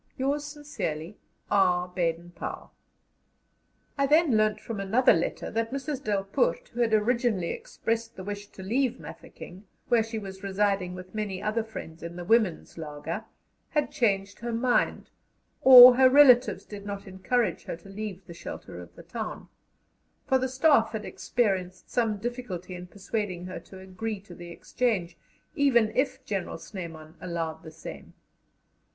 "Yours sincerely, "R. BADEN POWELL." I then learnt from another letter that Mrs. Delpoort, who had originally expressed the wish to leave Mafeking, where she was residing with many other friends in the women's laager, had changed her mind, or her relatives did not encourage her to leave the shelter of the town; for the Staff had experienced some difficulty in persuading her to agree to the exchange, even if General Snyman allowed the same.